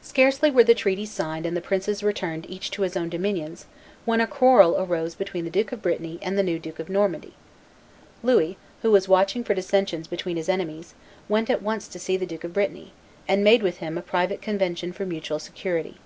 Scarcely were the treaties signed and the princes returned each to his own dominions when a quarrel arose between the Duke of Brittany and the new Duke of Normandy. Louis, who was watching for dissensions between his enemies, went at once to see the Duke of Brittany, and made with him a private convention for mutual security.